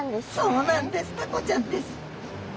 そうなんですタコちゃんです！